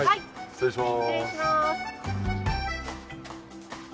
失礼します。